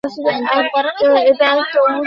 এটা একটা ওষুধ।